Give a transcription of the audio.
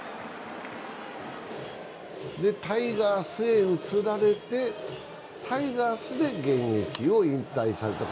タイガースへ移られて、タイガースで現役を引退された。